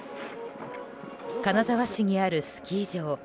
金沢市にあるスキー場。